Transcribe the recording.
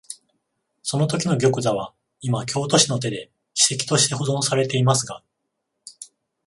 そのときの玉座は、いま京都市の手で史跡として保存されていますが、